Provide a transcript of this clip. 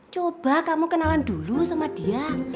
coba kamu kenalan dulu sama dia